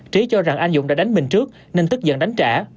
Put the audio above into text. trí cho rằng anh dũng đã đánh mình trước nên tức giận đánh trả